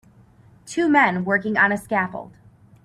Two men working on a scaffold.